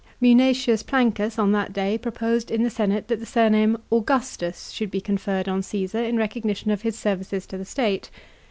Muuatius Plancus on that day proposed in the senate that the surname Augustus should be conferred on Caesar in recog nition of his services to the state.